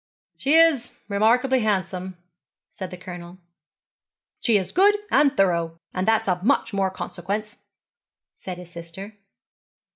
'She is remarkably handsome,' said the Colonel. 'She is good and thorough, and that's of much more consequence,' said his sister.